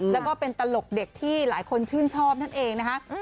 แล้วก็เป็นตลกเด็กที่หลายคนชื่นชอบนั่นเองนะคะ